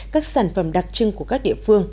các sản phẩm đặc trưng của các địa phương